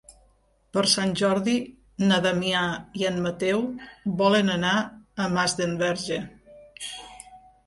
Per Sant Jordi na Damià i en Mateu volen anar a Masdenverge.